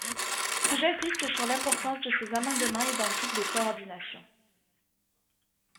J’insiste sur l’importance de ces amendements identiques de coordination.